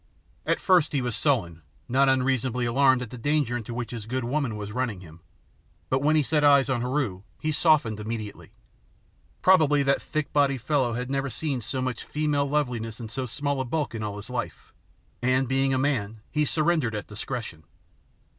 At first he was sullen, not unreasonably alarmed at the danger into which his good woman was running him. But when he set eyes on Heru he softened immediately. Probably that thick bodied fellow had never seen so much female loveliness in so small a bulk in all his life, and, being a man, he surrendered at discretion.